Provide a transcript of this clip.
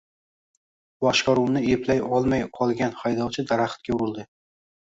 Boshqaruvni eplay olmay qolgan haydovchi daraxtga urildi.